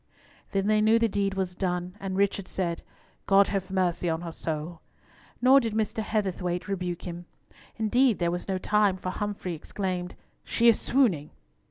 '" Then they knew the deed was done, and Richard said, "God have mercy on her soul!" Nor did Mr. Heatherthwayte rebuke him. Indeed there was no time, for Humfrey exclaimed, "She is swooning."